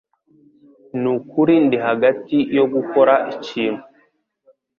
Nukuri ndi hagati yo gukora ikintu.